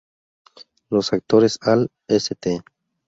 Los actores Al St.